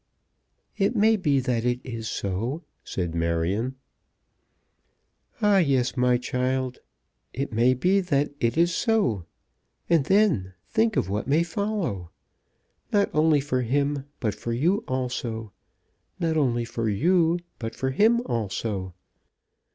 "It may be that it is so," said Marion. "Ah, yes, my child. It may be that it is so. And then, think of what may follow, not only for him, but for you also; not only for you, but for him also.